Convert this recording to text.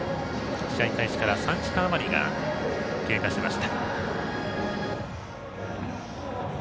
試合開始から３時間あまりが経過しました。